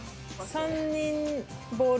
３人ボール